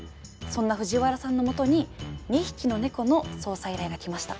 そんな藤原さんのもとに２匹の猫の捜査依頼が来ました。